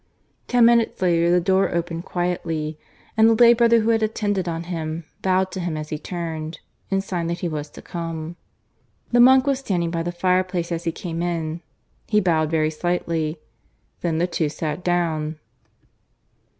Ten minutes later the door opened quietly, and the lay brother who had attended on him bowed to him as he turned, in sign that he was to come. The monk was standing by the fireplace as he came in; he bowed very slightly. Then the two sat down.